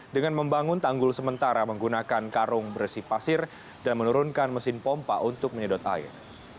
dengan membangun tanggul sementara menggunakan karung bersih pasir dan menurunkan mesin pompa untuk menyedot air